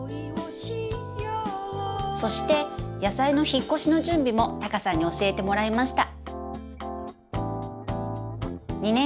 そして野菜の引っ越しの準備もタカさんに教えてもらいました」。